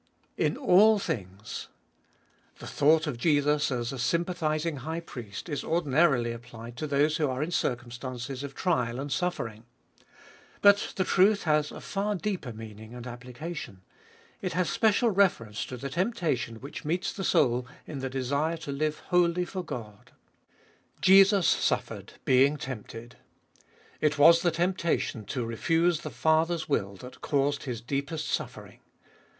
In all things ! The thought of Jesus as a sympathising High Priest, is ordinarily applied to those who are in circum stances of trial and suffering. But the truth has a far deeper meaning and application, It has special reference to the temptation which meets the soul in the desire to live wholly for God. Jesus suffered, being tempted : it was the temptation to refuse the Father's will that caused His deepest suffering.